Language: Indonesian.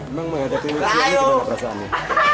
emang menghadapi ujian ini gimana perasaannya